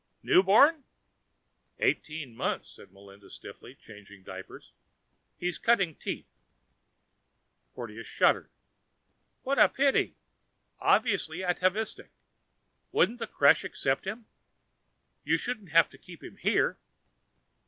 "Newborn?" "Eighteen months," said Melinda stiffly, changing diapers. "He's cutting teeth." Porteous shuddered. "What a pity. Obviously atavistic. Wouldn't the creche accept him? You shouldn't have to keep him here."